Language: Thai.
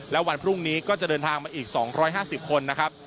และวันพรุ่งนี้ก็จะเดินทางมาอีก๒๕๐คนนะครับ